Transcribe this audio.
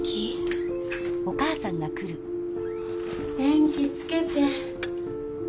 電気つけて。